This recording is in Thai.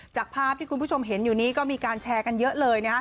จากภาพที่คุณผู้ชมเห็นอยู่นี้ก็มีการแชร์กันเยอะเลย